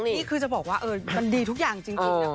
นี่คือจะบอกว่ามันดีทุกอย่างจริงนะคะ